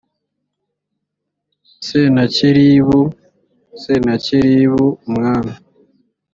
senakeribu senakeribu umwami